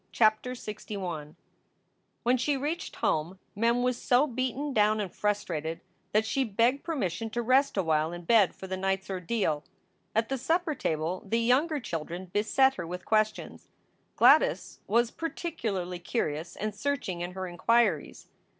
CHAPTER LXI WHEN she reached home, Mem was so beaten down and frustrated that she begged permission to rest awhile in bed for the night s ordeal. At the supper table the younger children beset her with questions. Gladys was particularly curious and searching in her inquiries.